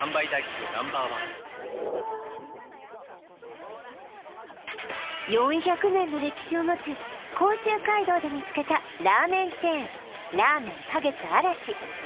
三井不動産４００年の歴史をもつ甲州街道で見つけたラーメンチェーンらあめん花月嵐